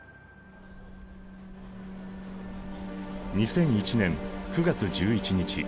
２００１年９月１１日。